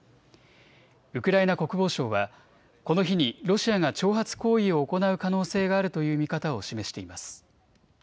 ウクライナ国防省はこの日にロシアが挑発行為を行う可能性があるという見方を示しています。